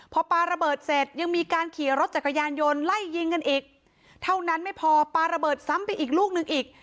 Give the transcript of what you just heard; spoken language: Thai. พอปลาระเบิดเสร็จยังมีการขี่รถจักรยานยนต์ไล่ยิงกันอีกเท่านั้นไม่พอปลาระเบิดซ้ำไปอีกลูกหนึ่งอีก